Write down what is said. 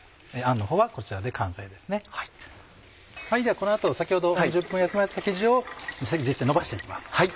この後先ほど３０分休ませた生地をのばして行きます。